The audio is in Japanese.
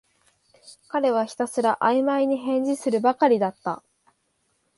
彼はひたすらあいまいに返事するばかりだった